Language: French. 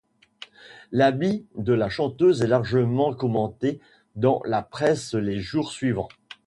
L'habit de la chanteuse est largement commenté dans la presse les jours suivants.